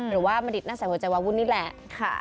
หรือว่ามันดิดหน้าใสหัวใจวาววุ่นนี่แหละ